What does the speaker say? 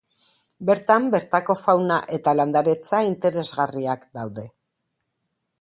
Bertan bertako fauna eta landaretza interesgarriak daude.